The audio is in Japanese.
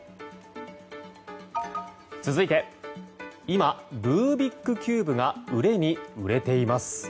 続いて、今ルービックキューブが売れに売れています。